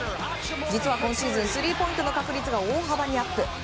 実は今シーズンスリーポイントの確率が大幅にアップ！